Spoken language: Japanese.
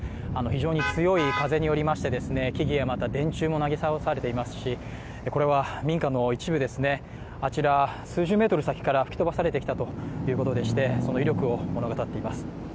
非常に強い風によりまして木々や電柱もなぎ倒されていますしこれは、民家の一部ですね、あちら数十メートル先から吹き飛ばされてきたということでしてその威力を物語っています。